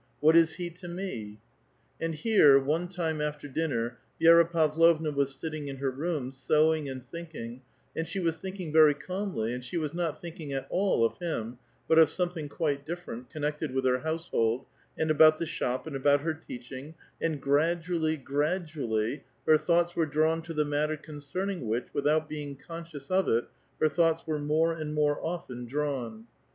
What is he to me?" And here, one time after dinner, Vi^ra Pavlovna was sit ting in her room, sewing and thinking, and she was thinking very calml}', and she was not thinking at all of him, but of something quite different, connected with her household, and about the shop and about her teaching, and gradually, gradu ally, her thoughts were drawn to the matter concerning which, without being conscious of it, her thoughts were more and more often drawn.